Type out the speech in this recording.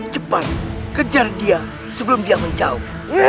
cepat kejar dia sebelum dia menjauh